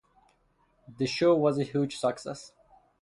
The show was a huge success.